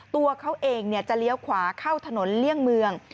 ตัวเขาเองจะเลี้ยวขวาเข้าถนนเลี่ยงเมือง